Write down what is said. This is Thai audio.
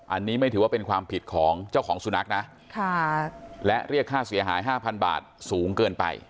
อันนี้ไม่ถือว่าเป็นความผิดของเจ้าของสุนัขนะและเรียกค่าเสียหาย๕๐๐บาทสูงเกินไป